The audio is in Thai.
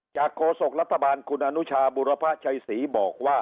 จากกโขสกรัฐบาลคุณอนุชาบุรพะใจศรีบอกว่า